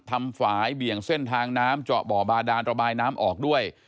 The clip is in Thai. ฝ่ายเบี่ยงเส้นทางน้ำเจาะบ่อบาดานระบายน้ำออกด้วย